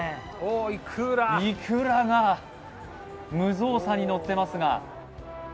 いくらが、無造作にのってますが。